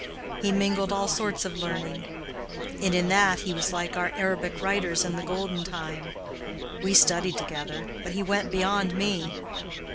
He mingled all sorts of learning; and in that he was like our Arabic writers in the golden time. We studied together, but he went beyond me.